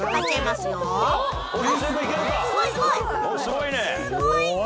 すごいな。